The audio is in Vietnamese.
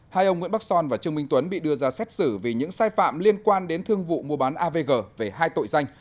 hai ông nguyễn bắc son và trương minh tuấn bị đưa ra xét xử vì những sai phạm liên quan đến thương vụ mua bán avg về hai tội danh